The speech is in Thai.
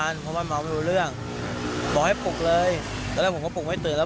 เพราะว่าเมาไม่รู้เรื่องบอกให้ปลุกเลยตอนแรกผมก็ปลุกไม่ตื่นแล้ว